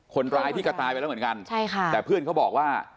คนร้ายที่ก็ตายไปแล้วเหมือนกันใช่ค่ะแต่เพื่อนเขาบอกว่า